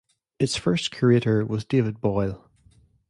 Its first curator was David Boyle.